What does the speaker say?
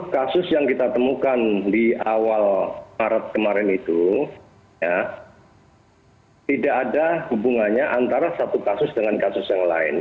kasus yang kita temukan di awal maret kemarin itu tidak ada hubungannya antara satu kasus dengan kasus yang lain